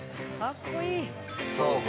そうか。